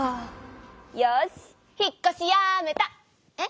よし引っこしやめた！え？